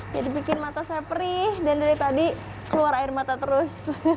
jadi bikin mata saya perih dan dari tadi keluar air mata terus